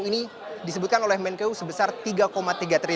ini disebutkan oleh menkeu sebesar rp tiga